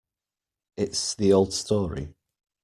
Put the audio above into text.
It's the old story.